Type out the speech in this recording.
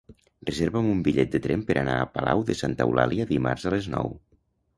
Reserva'm un bitllet de tren per anar a Palau de Santa Eulàlia dimarts a les nou.